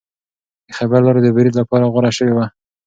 د خیبر لاره د برید لپاره غوره شوې ده.